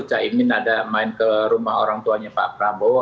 caimin ada main ke rumah orang tuanya pak prabowo